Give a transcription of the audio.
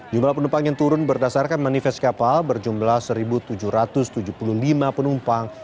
jumlah penumpang yang turun berdasarkan manifest kapal berjumlah satu tujuh ratus tujuh puluh lima penumpang